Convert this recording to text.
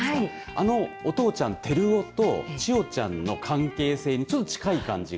あのお父ちゃん、てつおとちよちゃんの関係性にちょっと近い感じが。